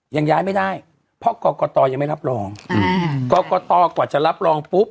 ยังย้ายไม่ได้เพราะกรกตยังไม่รับรองอืมกรกตกว่าจะรับรองปุ๊บ